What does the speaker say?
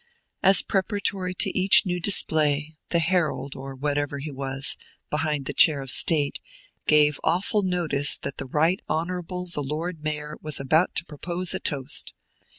As preparatory to each new display, the herald, or whatever he was, behind the chair of state, gave awful notice that the Right Honorable the Lord Mayor was about to propose a toast.